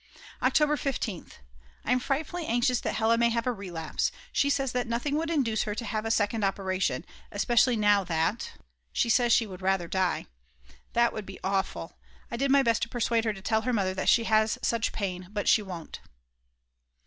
October 15th. I'm frightfully anxious that Hella may have a relapse; she says that nothing would induce her to have a second operation, especially now that ; she says she would rather die. That would be awful! I did my best to persuade her to tell her mother that she has such pain; but she won't.